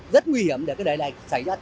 rất nguy hiểm để cái đại lạc xảy ra